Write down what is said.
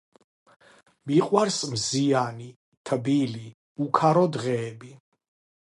მიყვარს მზიანი, თბილი, უქარო დღეები.